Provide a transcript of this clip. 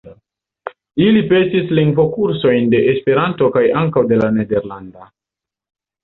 Ili petis lingvokursojn de Esperanto kaj ankaŭ de la nederlanda.